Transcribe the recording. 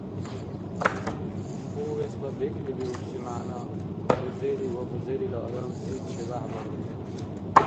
Повестла бекӀлибиубси мягӀна – бузери ва бузерила адамти чебяхӀбарни.